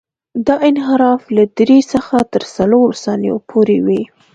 دا انحراف له درې څخه تر څلورو ثانیو پورې وي